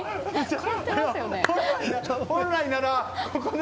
本来なら、ここで。